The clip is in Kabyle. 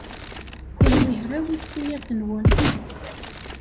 Kenwi hrawit tuyat-nwen.